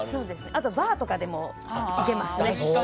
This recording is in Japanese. あとバーとかでもいけますね。